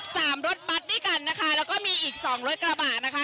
รถบัตรด้วยกันนะคะแล้วก็มีอีกสองรถกระบะนะคะ